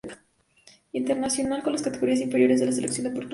Internacional en las categorías inferiores de la selección de Portugal.